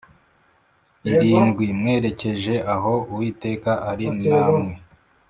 Irindwi mwerekeje aho uwiteka ari namwe